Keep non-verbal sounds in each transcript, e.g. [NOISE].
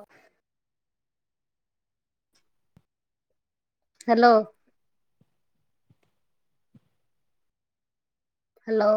ଓଃ। Hello. Hello.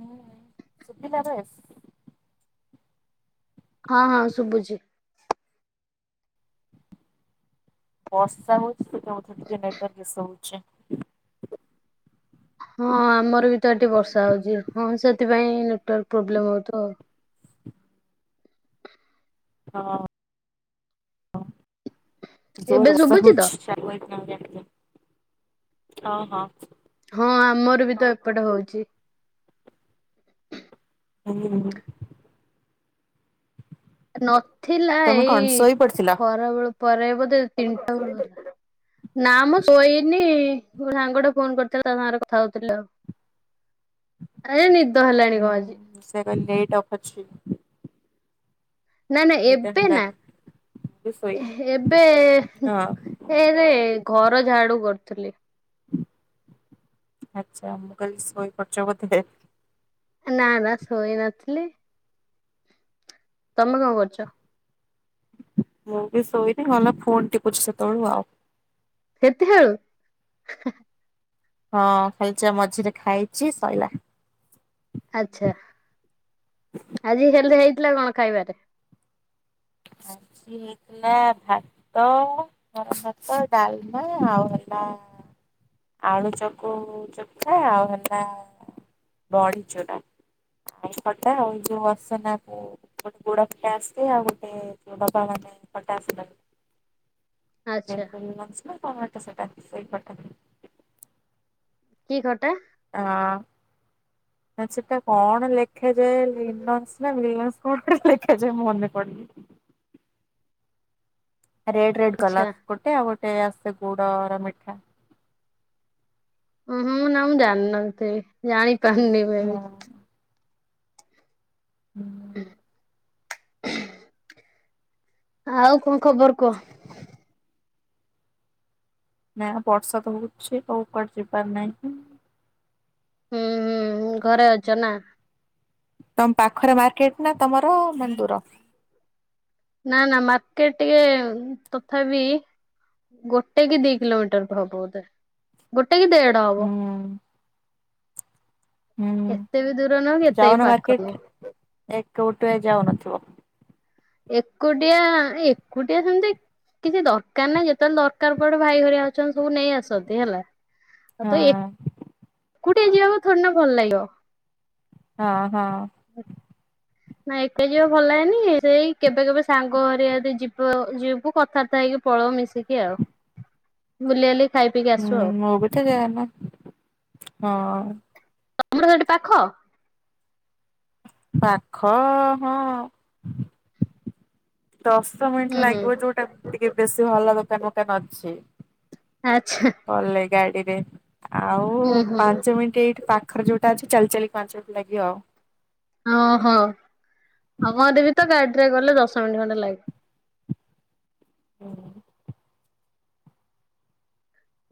ହୁଁ ଶୁଭିଲାରେ ହଁ ହଁ ଶୁଭୁଛି। ବର୍ଷା ହଉଛି, ସେଉଠୁ ଟିକେ ନେଟୱାର୍କ ଇସୁ ହଉଛି। ହଁ ଆମର ବି ତ ଏଠି ବର୍ଷା ହଉଛି, ହଁ ସେଥିପାଇଁ ନେଟୱାର୍କ ପ୍ରୋବ୍ଲେମ ହଉଥିବ ଆଉ। ହଁ [INAUDIBLE] ହଁ ଏବେ ଜୋର ବର୍ଷା ଶୁଭୁଛି ତ ହଉଛି। [INAUDIBLE] ହଁ ହଁ। ହଁ ଆମର ବି ତ ଏପଟେ ହଉଛି। ଆଜ୍ଞ। ନଥିଲା, ତମେ କଣ ଏଇ ଶୋଇ ପଡିଥିଲ? ଖରାବେେଳ ପରେ ବୋଧେ ତିନିଟା ବେଳ ହେଲା। ନା ମୁଁ ଶୋଇନି, ମୋ ସାଙ୍ଗଟା ଫୋନ କରିଥିଲା, ତା ସାଙ୍ଗରେ କଥା ହଉଥିଲି ଆଉ। ଆରେ ନିଦ ହେଲାଣି କଣ ଆଜି ହୁଁ ସେ କହିଲେ ନେଟ ଅଫ୍ ଅଛି। ନା ନା ନିଦ ଏବେ ନା ହେଲାନି ମୁଁ ବି ଶୋଇନି। ଏବେ ହଁ ଏବେ ଘର ଝାଡୁ କରୁଥିଲି। ଆଚ୍ଛା ମୁଁ କହିଲି ଶୋଇ ପଡ଼ିଛ ବୋଧେ ନା ନା ଶୋଇ ନଥିଲି, ତମେ କଣ କରୁଛ? ମୁଁ ବି ଶୋଇନି, ମାନେ ଫୋନ ଟିପୁଛି ସେତେବେଳୁ ଆଉ। କେତେ ବେଳୁ? ହଁ ଖାଲିଯା ମଝିରେ ଖାଇଛି ସଇଲା। ଆଚ୍ଛା ଆଜି ହେଲେ ହେଇଥିଲା କଣ ଖାଇବାଟା? ଆଜି ହେଲା ଭାତ ଗରମ ଭାତ ଡାଲମା ଆଉ ହେଲା ଆଳୁ ଚକୁ ଚକଟା ଆଉ ହେଲା ବଡିଚୂୁରା। ଆଉ ଖଟା ଆଉ ଯୋଉ ମସଲା ପୋ ପୋଡପଡା ଆସେ ଆଉ ଗୋ ଏ ଝୁଡଙ୍ଗ ମାନେ ଖଟା ଉଷୁନା ଆଚ୍ଛା ନେଲପାଲିସ ଅଛିନା [INAUDIBLE] ହଁ ହଁ ତ ସେଟା ସେଇପଟ କି ଖଟା। ଆଁ। ନା ସେଟା କଣ ଲେଖାଯାଏ ଲିନସ୍ ନା ଲିୟନସ କଣ ଗୋଟେ ଲେଖାଯାଏ ମନେ ପଡୁନି। ରେଡ ରେଡ ଆଚ୍ଛା କଲର୍ ଗୋଟେ ଆଉ ଗୋଟେ ଆସେ ଗୋଡର ମିଠା ଉଁ ହୁଁ ନା ମୁଁ ଜାଣିନଥିବି ଜାଣିପାରୁନି। ମେ ହୁଁ। ବି ହୁଁ ଆଉ କଣ ଖବର କୁହ? ନା ବର୍ଷା ତ ହଉଛି କଣ କୁଆଡ଼େ ଯିବାର ନାହିଁ। ହୁଁ ହୁଁ ଘରେ ଅଛ ନା? ତମ ପାଖରେ ମାର୍କେଟ ନା ତମର ମାନେ ଦୂର? ନା ନା ମାର୍କେଟ ଟିକେ ତଥାପି ଗୋଟେ କି ଦି କିଲୋମିଟର ହବ ବୋଧେ ଗୋଟେ କି ଦେଢ ଟ ହବ ହୁଁ ହୁଁ ଏତେ ବି ଦୂର ନୁହଁକି ଏତେ ଯାଉନ ବି ପାଖ ନୁହଁ। ମାର୍କେଟ ଏକୁଟିଆ ଯାଉନଥିବ। ଏକୁଟିଆ ଏକୁଟିଆ ସେମିତି କିଛି ଦରକାର ନାହିଁ ଯେତେବେଳେ ଦରକାର ପଡେ ଭାଇ ହରିଆ ଅଛନ୍ତି ସବୁ ନେଇ ଆସନ୍ତି ହେଲା। ଆଉ ତ ଏ ହଁ। ଏକୁଟିଆ ଯିବାକୁ ଥୋଡି ନା ଭଲ ଲାଗିବ। ହଁ ହଁ। ନା ଏକା ଯିବାକୁ ଭଲ ଲାଗେନି ସେଇ କେବେ କେବେ ସାଙ୍ଗ ହରିଆ ଯିବ ଯିବୁ କଥାବାର୍ତ୍ତା ହେଇକି ପଳଉ ମିଶିକି ଆଉ। ବୁଲି ଆଲି ଖାଇ ପିଇକି ଆସୁ ହୁଁ ଆଉ ମୁଁବିତ ଯାଏନା ହଁ। ତମର ସେଇଠୁ ପାଖ? ପାଖ ହଁ। ଦଶ ମିନିଟ୍ ହୁଁ ହୁଁ ଲାଗିବ ଯୋଉଟା ଟିକେ ବେଶୀ ଭଲ ଦୋକାନ ଫୋକାନ ଅଛି। ଆଚ୍ଛା। ଗଲେ ଗାଡିରେ ଆଉ ହୁଁ ହୁଁ ପାଞ୍ଚ ମିନିଟ ଏଇଠି ପା ଖରେ ଯୋଉଟା ଅଛି ଚାଲି ଚାଲି ପାଞ୍ଚ ମିନିଟ୍ ଲାଗିବ ଆଉ। ଓହୋ ଆମଆଡେ ବି ତ ଗାଡିରେ ଗଲେ ଦଶ ମିନିଟ୍ ଖଣ୍ଡେ ଲାଗେ। ହୁଁ।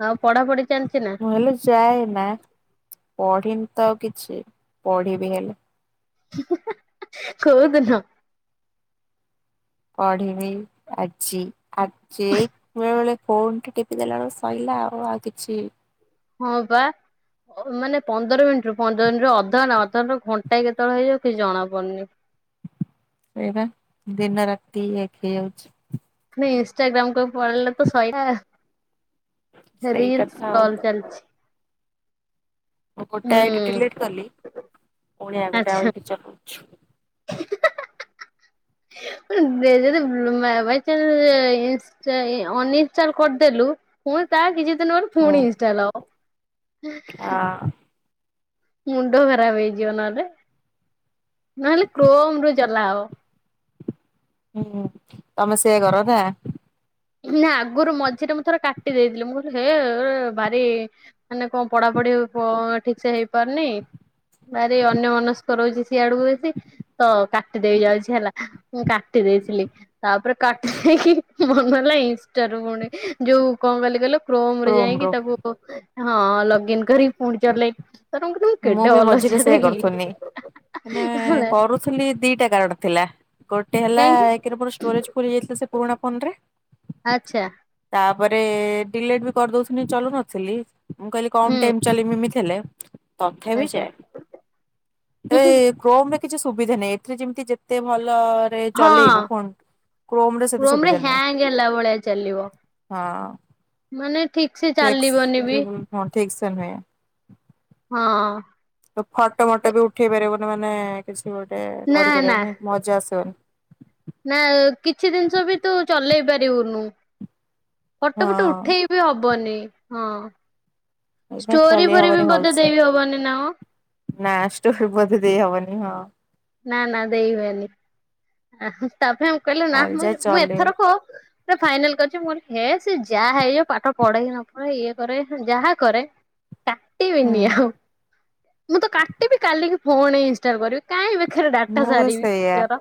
ଆଉ ପଢା ପଢି ଚାଲିଛି ନା? ମୁଁ ହେଲେ ଯାଏ ନା ପଢିନି ତ ଆଉ କିଛି ପଢିବି ହେଲେ କଉଦିନ? ପଢିବି ଆଜି ଆ ଯେ ବେଳେ ବେଳେ ଫୋନଟି ଟିପି ଦେଲା ବେଳକୁ ସଇଲା ଆଉ କିଛି ହଁ ବା। ମାନେ ପନ୍ଦର ମିନିଟ ରୁ ପନ୍ଦର ମିନିଟରୁୁ ଅଧା ନା ଅଧଘଣ୍ଟା କେତେବେଳେ ହେଇଯିବ କିଛି ଜଣା ପଡୁନି ସେଇବା ଦିନ ରାତି ଏକ ହେଇ ଯାଉଛି। ନେ ଇନଷ୍ଟାଗ୍ରାମ କୁ ପଳେଇଲେ ତ ସଇଲା। ସେଇଟା ରିଇଲିଶି ତ ଆଉ ସ୍କଲ ଚାଲିଛି। ମୁଁ ଗୋଟେ ହୁଁ ଆଇଡି ଡିଲେଟ କଲି ପୁଣି ଆଉ ଗୋଟେ ଆଚ୍ଛା ଆଇଡି ଚଲଉଛି। [UNINTELLIGIBLE] ଯଦିାଇନ୍ସଇନ୍ଲ କରିଦେଲୁ [UNINTELLIGIBLE] ପୁଣୀ ତା କିଛି ଦିନ ପରେ ହଁ। ପୁଣି ଇନଷ୍ଟା ଲଭ୍। ମୁଣ୍ଡ ଖରାପ ହେଇଯିବ ନହେଲେ ନହେଲେ କ୍ରୋମ ରୁ ଚଲା ହବ। ହୁଁ ତମେ ସେଏ କରଥା। ନା ଆଗରୁ ମଝିରେ ମୁଁ ଥର କାଟି ଦେଇଥିଲି ମୁଁ ହେ ଭାରି ମାନେ କଣ ପଢା ପଢି କ ଠିକ ସେ ହେଇପାରୁନି। ଭାରି ଅନ୍ୟ ମନସ୍କ ରହୁଛି ସିଆଡକୁ ବେଶୀ ତ କାଟି ଦେବି ଯାଉଛି ହେଲା ମୁଁ କାଟି ଦେଇଥିଲି ତାପରେ କାଟି ଦେଇକି ମୁଁ ନହେଲ ଇନଷ୍ଠା ରୁ ପୁଣି ଯୋଉ କଣ କଲି କହ କ୍ରୋମ ରେ ଯାଇକି ତାକୁ ହଁ ଲଗଇନ କରି ଫୁଣି ଚାଲେ ତା ପରେ କହିଲେ ମୁଁ କେଡେ ବି ମଝିରେ ଅଲାଜୁକ ସେଇଆ ଟା କି ହେଲା। ଥିଲି ଦିଇଟା କାରଣ ଥିଲା। ଗୋଟେ ହେଲା କାହିଁକି ଏକ ରେ ଷ୍ଟୋରେଜ ଫୁଲୁ ହେଇଯାଇଥିଲା ସେ ପୁରୁଣା ଫୋନରେ। ଆଚ୍ଛା ତାପରେ ଡିଲେଟ ବି କରିଦଉଥିଲୀ ଚଲଉନଥିଲି ମୁଁ କହିଲି କମ୍ ହୁଁ ଟାଇମ୍ ଚାଲିମିମି ଥିଲେ ତଥାପି ଆଚ୍ଛା ଯାଏ। ତା ଏ କ୍ରୋମରେ କିଛି ସୁବିଧା ନାହିଁ ଏଥିରେ ଯେମିତି ଯେତେ ଭଲରେ ହଁ ଚଲେଇବ ଫୋନ। ସେତେ କ୍ରୋମ ରେ ସୁବିଧା ନୁହେଁ ହ୍ୟାଙ୍ଗ ହେଲା ଭଳିଆ ଚାଲିବ। ହଁ ମାନେ ଠିକ ସେ ଚାଲିବନି ବି। ଫ୍ଲେକ୍ସିବୁଲ ହଁ ଠିକ ସେ ନୁହେଁ। ହଁ। ତ ଫଟୋ ଫଟୋ ବି ଉଠେଇ ପାରିବନି ମାନେ କିଛି ଗୋଟେ ନା ନା କରିପାରିବନି ମଜା ଆସିବନି। ନା କିଛି ଜିନିଷ ବି ତୁ ଚଲେଇ ପାରିବୁନୁ ଫଟୋପଟ ହଁ ଉଠେଇ ହବନି ହଁ ଏଇପାଇଁ ଷ୍ଟୋରି ଚଲେଇ ଫୋରି ହବନି ବି ବୋଧେ ଭଲସେ ଦେଇବି ହବନି ନା କ? ନା ଷ୍ଟୋଭି ବୋଧେ ଦେଇ ହବନି ହଁ। ନା ନା ଦେଇ ହୁଏନି ତା ପାଇଁ କହିଲୁ ନା ଆରେ ମୁ ଯା ମୁଁ ଚଲେଇବୁ ଏଥର କ ଫାଇନାଲ କରିଚି ମୋର ହେ ସେ ଯାହା ହେଇଯାଉ ପାଠ ପଢେ ହି ନପଢ ଇଏ କରେ ଯାହା କରେ କାଟିବିନି ହୁଁ ଆଉ ମୁଁ ତ କାଟିବି କାଲିକି ଫୁଣି ଇନଷ୍ଟାଲ କରିବି। କାଇଁ ବେକାରେ ଡାଟା ମୁଁ ବି ସାରିବି ସେଇଆ। ନିଜର।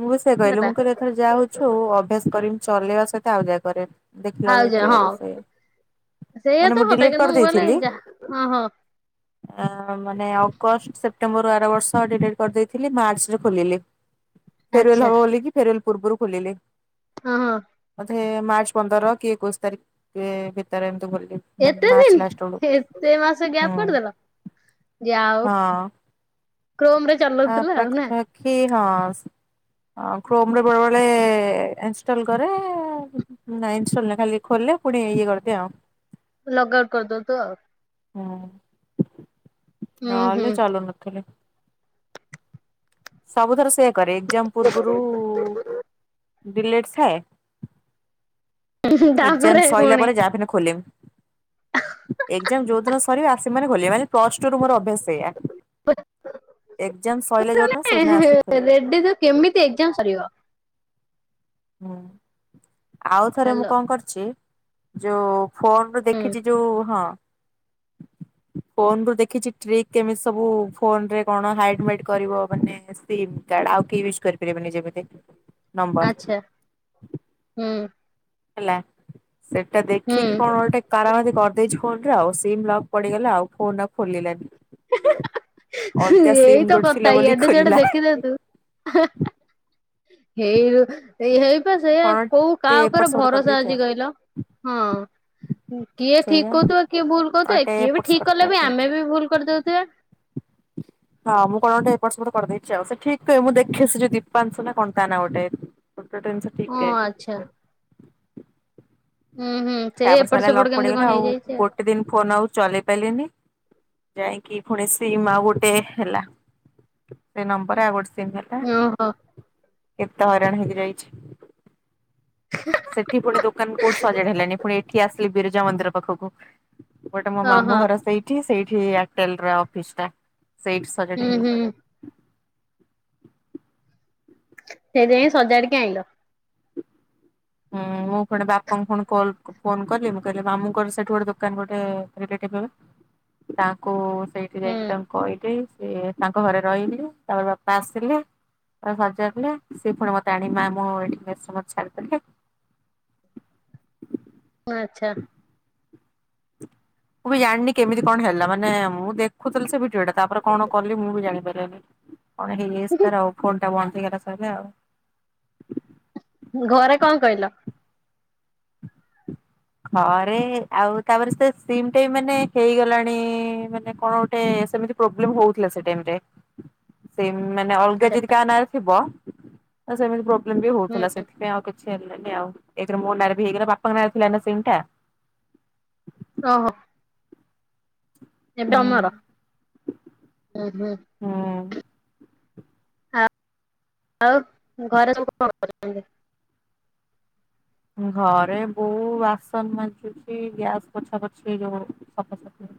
ମୁଁ ବି ସେ କହିଲି ହେଲା ମୁଁ କହେ ଏଥର ଯାହା ହଉଛି ହଉ ଅଭ୍ୟାସ କରମି ଚଲେଇବା ସହିତ ଆଉ ଯା କରିବି। ଦେଖିଲା ଆଉ ଯା ବେଳକୁ ଯୁଆ ହଁ ଆଁ ସେଇଆ। ସେଇଆ ମାନେ ତ ମୁଁ କଥା ଡିଲିଟ କିନ୍ତୁ ମୁଁ କହିଲି ଯା ହ ହ। ଅ ମାନେ ଅଗଷ୍ଟ ସେପ୍ଟେମ୍ବରରୁ ଆର ବର୍ଷ ଡିଲଟ୍ କରିଦେଇ ଥିଲି ମାର୍ଚ୍ଚ ରେ ଖୋଲିଲି ଆଚ୍ଛା ଫେରୱଲ ହବ ବୋଲି କି ଫେରୱଲ ପୂର୍ବରୁ ଖୋଲିଲି। ହଁ ହଁ। ସେ ମାର୍ଚ୍ଚ ପନ୍ଦର କି ଏକୋଇଶି ତାରିଖ ଏ ଭିତରେ ଏମିତି ଖୋଲିଲି। ମାନେ ଏତେ ମାର୍ଚ୍ଚ ଲାଷ୍ଟ ବେଳୁ ଦିନ ଏତେ ମାସ ଗ୍ୟାପ୍ ହୁଁ କରିଦେଲ। ଯଆ ହଉ। କ୍ରୋମ ରେ ଆ ଚଲଉଥିଲ ଆଉ ପ୍ରାଖି ନା ପାଖି ହସ୍। କ୍ରୋମ ରେ ବେଳେବେଳେ ଇନଷ୍ଟଲ କରେ। ନାଇଁ ଇନଷ୍ଟଲ ନାଇ ଖାଲି ଖୋଲେ ପୁଣି ଇଏ କରିଦେ ଆଉ। ଲଗ୍ ଆଉଟ୍ କରିଦଉନ୍ତୁ ଆଉ। ହୁଁ ହୁଁ ହୁଁ ନଲେ ଚାଲୁ ନଥିଲେ। ସବୁଥର ସେଇୟା କରେ ଏକ୍ଜାମ ପୂର୍ବରୁ ଡିଲେଟ ଥାଏ। ତାପରେ ଏକ୍ଜାମ ସଇଲା ପୁଣି ପରେ ଯାହାବି ହେନେ ଖୋଲିମ। ଏଗଜାମ ଯୋଉ ଦିନ ସରିବ ଆସିମି ମାନେ ଖୋଲିମ୍ ମାନେ ପ୍ଲସ ଟୁ ର ମୋର ଅଭ୍ୟାସ ସେୟା। ଏଗଜାମ ସଇଲେ ଯୋଉନ ସେଇନ ଆସି ଖୋଲିମ। ରେଡି ତ କେମିତି ଏଗଜାମ ସରିବ? ହୁଁ ଆଉ ଥରେ ମୁଁ ହାଲୋ କଁ କରିଚି। ଯୋଉ ଫୋନ ରୁ ହୁଁ ଦେଖିଛି ଯୋଉ ହଁ। ଫୋନ ରୁ ଦେଖିଛି ଟ୍ରିକ କେମିତି ସବୁ ଫୋନ ରେ କଣ ହାଇଡ଼୍ ମାଇଡ଼୍ କରିବ ମାନେ ସିମ୍ କାର୍ଡ଼ ଆଉ କେହି ୟୁଜ କରିପାରିବେନି ଯେମିତି। ନମ୍ବର ଆଚ୍ଛା ହୁଁ। ହେଲା, ସେଟା ହୁଁ ଦେଖିକି କଣ ଗୋଟେ କାରାମତି କରିଦେଇଛି ଫୋନରେ ଆଉ ସିମ୍ ଲକ୍ ପଡ଼ିଗଲା ଆଉ ଫୋନ ଆଉ ଖୋଲିଲାନି। ଅଲଗା ଏଇ ସିମ୍ ତ ଗୋଟେ ଥିଲା କଥା ବୋଲି ଇଆଡ଼ୁ ସିଆଡ଼ୁ ଖୋଲିଲା ଦେଖି ଦିଅନ୍ତୁ ହେ, ହେଇଠୁ ଏଇ ହେଇପା ସେଇଆ କଣ କୋଉ ଟେ କାହା ଏପଟ ଉପରେ ସେପଟ ଭରଷା କରିଦେଇଛି ଅଛି କହିଲ, ହଁ। କିଏ ଆଉ ଠିକ ସେଇଆ। କହୁଥିବ, କିଏ ଭୁଲ କହୁଥିବ, ଗୋଟେ କିଏ ବି ଏପଟ ଠିକ୍ ସେପଟ କଲେ ବି ଆମେ କରିଦେଇଛି। ବି ଭୁଲ କରିଦଉ ସେୟା। [INAUDIBLE] ହଁ ମୁଁ କଣ ଗୋଟେ ଏପଟ ସେପଟ କରିଦେଇଛି, ଆଉ ସେ ଠିକ କୁହେ ମୁଁ ଦେଖେ ସିଏ ଯୋଉ ଦୀପାଂଶୁ ନା କଣ ତା ନାଁ ଗୋଟେ। ଗୋଟେ ଟେନ୍ସ ଓ ଆଚ୍ଛା। ହୁଁ ହୁଁ। ସେ ତାପରେ ଏପଟ ସଇଲା ସେପଟ ଲକ୍ କେମିତି ପଡ଼ିଗଲ କଣ ଆଉ ହେଇଯାଇଛି ଗୋଟେ ଦିନ ଫୋନ ଆଉ ଚଲେଇ ପାଇଲିନି, ଯାଇଁକି ପୁଣି ସିମ୍ ଆଉ ଗୋଟେ ହେଲା। ସେଇ ନମ୍ବର ରେ ଆଉ ଗୋଟେ ସିମ୍ ହେଲା, ଓହୋ କେତେ ହଇରାଣ ହେଇକି ଯାଇଛି। ସେଠି ପୁଣି ଦୋକାନ କୋଉଠି ସଜାଡ଼ି ହେଲାନି ପୁଣି ଏଠି ଆସିଲି ବିରଜା ମନ୍ଦିର ପାଖକୁ ଏପଟେ ମୋ ମାମୁଁ ଓହୋ ଘର ସେଇଠି, ସେଇଠି ଏୟାରଟେଲ ର ଅଫିସ ଟା, ସେଇଠୁ ହୁଁ ହୁଁ। ସେଇଟି ଯାଇଁ ସଜାଡ଼ି କି ଆଇଁଲ। ହୁଁ ମୁଁ ପୁଣି ବାପାଙ୍କୁ ପୁଣି କଲ୍ ଫୋନ କଲି ମୁଁ କହିଲି ମାମୁଙ୍କର ସେଠି ଗୋଟେ ଦୋକାନ ଗୋଟେ ରିଲେଟିଭ ହେବେ ତାଙ୍କୁ ସେଇଠି ଯାଇକି ହୁଁ ତାଙ୍କୁ କହିଲି ସିଏ ତାଙ୍କ ଘରେ ରହିଲି ତାପରେ ବାପା ଆସିଲେ ତାକୁ ସଜାଡିଲେ ସିଏ ପୁଣି ମତେ ଆଣି ମାମୁଁ ଏଠି ମେଶ୍ ରେ ମତେ ଛାଡ଼ିଦେଲେ। ଓ ଆଚ୍ଛା। ମୁଁ ବି ଜାଣିନି କେମିତି କଣ ହେଲା, ମାନେ ମୁଁ ଦେଖୁଥିଲି ସେ ଭିଡ଼ିଓ ଟା ତାପରେ କଣ କଲି ମୁଁ ବି ଜାଣି ପାରିଲିନି। କଣ ହେଇଯାଇଛି ତାର ଆଉ ଫୋନ୍ ଟା ବନ୍ଦ ହେଇଗଲା ସଇଲା ଆଉ। ଘରେ କଁ କହିଲ? ଘରେ ଆଉ ତାପରେ ସେ ସିମ୍ ଟା ବି ମାନେ ହେଇଗଲାଣି ମାନେ କଣ ଗୋଟେ ସେମିତି ପ୍ରୋବ୍ଲେମ୍ ହଉଥିଲା ସେଇ ଟାଇମ୍ ରେ। ସିମ୍ ମାନେ ଅଲଗା ଆଛା ଯଦି କାହା ନାଁରେ ଥିବ ତ ସେମିତି ପ୍ରୋ ବ୍ଲେମ୍ ବି ହୁଁ ହଉଥିଲା ସେଥିପାଇଁ ଆଉ କିଛି ହେଲେନି ଆଉ ଏକ ରେ ମୋ ନାଁରେ ବି ହେଇଗଲା ବାପାଙ୍କ ନାଁରେ ଥିଲା ନା ସିମ୍ ଟା। ଓହୋ। ଏବେ ହୁଁ ଅମର, ଉଁ ହୁଁ। ହୁଁ। ହଉ ଆଉ ଘରେ ସବୁ କଣ କରୁଛନ୍ତି? ଘରେ ବୋଉ ବାସନ ମାଜୁଛି ଗ୍ୟାସ ପୋଛା ପୋଛି ଯୋଉ ସଫାସଫି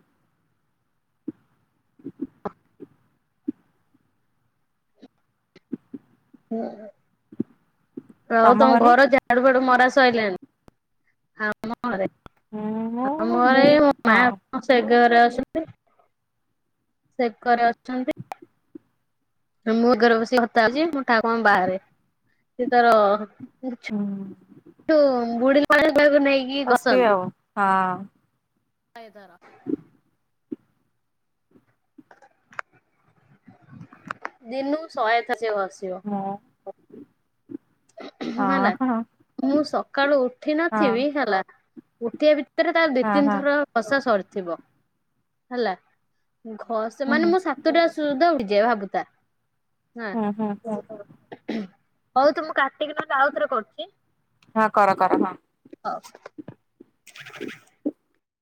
ହୁଁ ଆଉ ତମ ଘର ଯା ଝାଡ଼ୁ ଫାଡ଼ୁ ମରା ସରିଲାଣି? ଆମଘରେ ମୁଁ ଆମଘରେ ମୁଁ ଏଇ ମାଆ ହଁ ସେ ଘରେ ଅଛନ୍ତି ସେ ଘରେ ଅଛନ୍ତି। ମୁଁ ଏ ଘରେ ବସିକି କଥା ହଉଛି ମୋ ଠାକୁ ମାଆ ବାହାରେ ସିଏ ତାର। ହୁଁ [UNINTELLIGIBLE] ମସ୍ତି ଆଉ ନାଇଁ ତାର। ଦିନକୁ ଶହେ ଥର ସିଏ ଘଷିବ? ହଁ। ହଁ ହେଲା ହଁ ମୁଁ ସକାଳୁ ଉଠି ହଁ ନଥିବି ହେଲା ଉଠିବା ବି ଭିତରେ ତ ଦିଇ ହଁ ତିନି ହଁ ଥର ଘଷା ସରିଥିବ ହେଲା ଘ ହୁଁ ସେମାନେ ହୁଁ ମୁଁ ସାତଟା ସୁଧା ଉଠିଯାଏ ଭାବୁଥା। ହୁଁ ହୁଁ ହୁଁ ହଉ ତୁ ମୁଁ କାଟିକି ନଲେ ଆଉଥରେ କରୁଛି? ହଁ କର କର ହଁ? ହଉ।